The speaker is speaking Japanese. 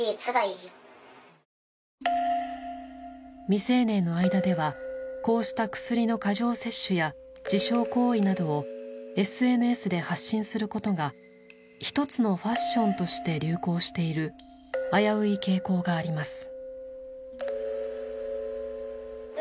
未成年の間ではこうした薬の過剰摂取や自傷行為などをＳＮＳで発信することが一つのファッションとして流行している危うい傾向があります。